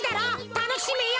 たのしめよ！